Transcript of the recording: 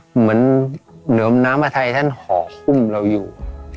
เหมือนเหนิมน้ำพัดไทยท่านห่อคุ้มเราอยู่